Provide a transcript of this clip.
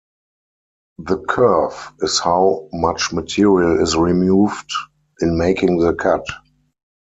The kerf is how much material is removed in making the cut.